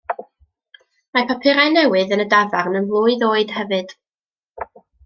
Mae papurau newydd yn y dafarn yn flwydd oed hefyd.